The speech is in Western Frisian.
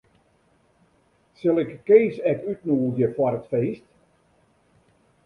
Sil ik Kees ek útnûgje foar it feest?